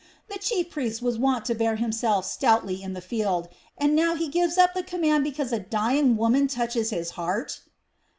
The chief priest was wont to bear himself stoutly in the field, and now he gives up the command because a dying woman touches his heart."